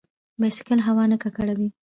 بایسکل هوا نه ککړوي.